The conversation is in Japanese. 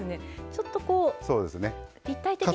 ちょっとこう立体的に。